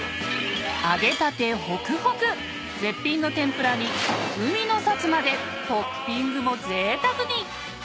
揚げたてホクホク絶品の天ぷらに海の幸までトッピングも贅沢に！